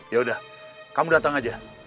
yaudah kamu datang aja